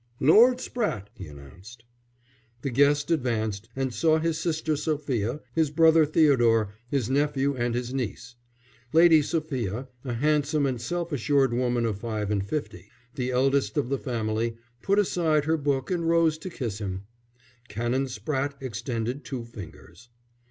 "Lord Spratte," he announced. The guest advanced and saw his sister Sophia, his brother Theodore, his nephew and his niece. Lady Sophia, a handsome and self assured woman of five and fifty, the eldest of the family, put aside her book and rose to kiss him. Canon Spratte extended two fingers.